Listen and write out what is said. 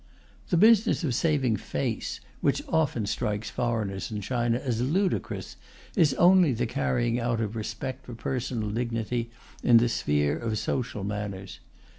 The business of "saving face," which often strikes foreigners in China as ludicrous, is only the carrying out of respect for personal dignity in the sphere of social manners.